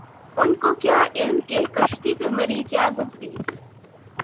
ان کو کیا علم کہ کشتی پہ مری کیا گزری